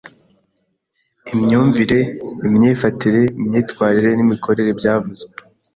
Imyumvire, imyifatire, imyitwarire n’imikorere byavuzwe